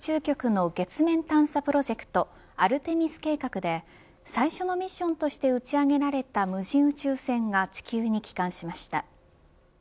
ＮＡＳＡアメリカ航空宇宙局の月面探査プロジェクトアルテミス計画で最初のミッションとして打ち上げられた無人宇宙船が地球に帰還しました。